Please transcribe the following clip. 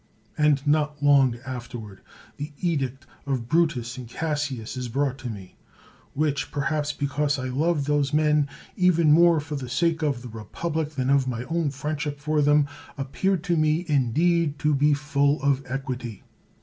And not long afterward the edict of Brutus and Cassius is brought to me; which (perhaps because I love those men, even more for the sake of the republic than of my own friendship for them) appeared to me, indeed, to be full of equity.